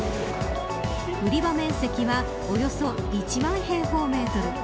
売り場面積はおよそ１万平方メートル。